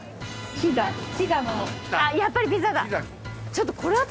やっぱりピザだ。